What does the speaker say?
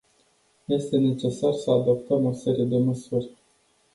Este necesar să adoptăm o serie de măsuri.